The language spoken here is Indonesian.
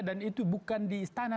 dan itu bukan di istana